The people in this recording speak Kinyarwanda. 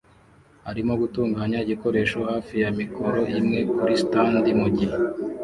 arimo gutunganya igikoresho hafi ya mikoro imwe kuri stand mugihe